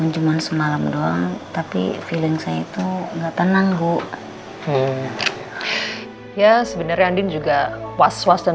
cuman semalam doang tapi feeling saya itu enggak tenang bu ya sebenarnya andin juga was was dan